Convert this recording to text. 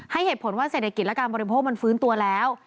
เหตุผลว่าเศรษฐกิจและการบริโภคมันฟื้นตัวแล้ว